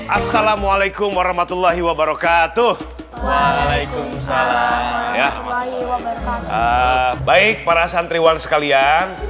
assalamualaikum warahmatullahi wabarakatuh waalaikumsalam baik para santriwan sekalian